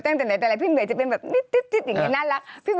อันนั้นอะไร